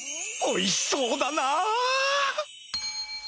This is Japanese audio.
おいしそうだな！